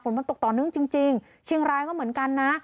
มันตกต่อเนื่องจริงเชียงรายก็เหมือนกันนะ